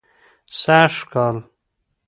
سږ کال